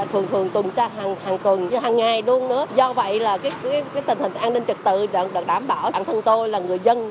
hàng tuần hàng ngày luôn nữa do vậy là cái tình hình an ninh trực tự đã đảm bảo bản thân tôi là người dân